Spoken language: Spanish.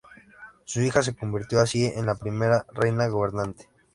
Su hija se convirtió así en la primera reina gobernante.